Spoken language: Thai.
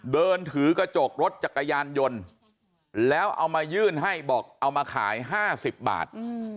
เดินถือกระจกรถจักรยานยนต์แล้วเอามายื่นให้บอกเอามาขาย๕๐บาท